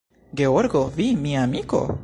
Georgo, vi, mia amiko?